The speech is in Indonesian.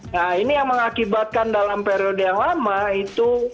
nah ini yang mengakibatkan dalam periode yang lama itu